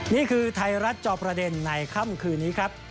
นี่คือไทยรัฐจอประเด็นในค่ำคืนนี้ครับ